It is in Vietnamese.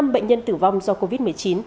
năm bệnh nhân tử vong do covid một mươi chín